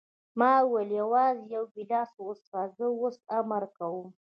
ما وویل: یوازې یو ګیلاس وڅښه، زه اوس امر کوم.